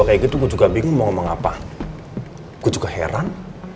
ada yang atau minta maaf kidding